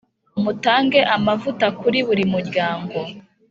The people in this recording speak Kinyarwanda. mutange amavuta kuri buri muryango